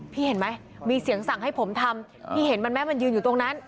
พี่เห็นไหมมีเสียงสั่งให้ผมทำพี่เห็นมันไหมมันยืนอยู่ตรงนั้น